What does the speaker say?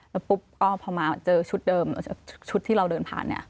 แล้วปุ๊บก็พอมาเจอชุดเดิมชุดที่เราเดินผ่านเนี่ย